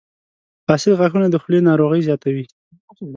• فاسد غاښونه د خولې ناروغۍ زیاتوي.